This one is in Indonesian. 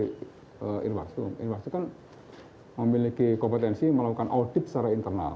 kita menggunakan kompetensi dari irwastu irwastu kan memiliki kompetensi melakukan audit secara internal